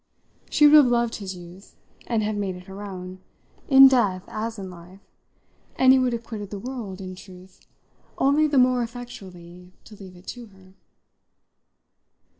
She would have loved his youth, and have made it her own, in death as in life, and he would have quitted the world, in truth, only the more effectually to leave it to her.